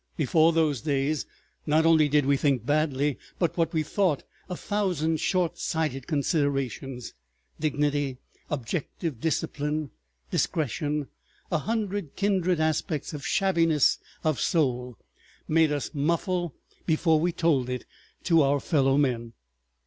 Before those days, not only did we think badly, but what we thought, a thousand short sighted considerations, dignity, objective discipline, discretion, a hundred kindred aspects of shabbiness of soul, made us muffle before we told it to our fellow men.